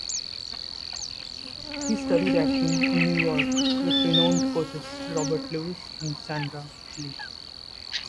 He studied acting in New York with renowned coaches Robert Lewis and Sondra Lee.